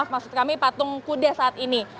di area patung kuda saat ini